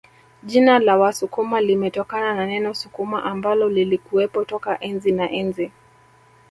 Jina la Wasukuma limetokana na neno Sukuma ambalo lilikuwepo toka enzi na enzi